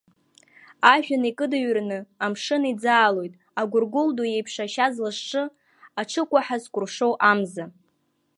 Ажәҩан икыдыҩрны амшын иӡаалоит агәыргәыл ду еиԥш ашьа злажжы аҽыкәаҳа зкәыршоу амза…